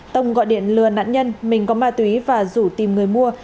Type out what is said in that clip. tông gọi điện lừa nạn nhân mình có ma túy và rủ tìm người mua